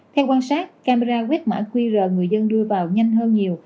theo quan sát camera quét mã qr người dân đưa vào nhanh hơn nhiều